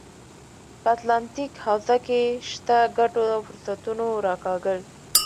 په اتلانتیک حوزه کې شته ګټو او فرصتونو راکاږل.